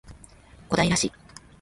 小平市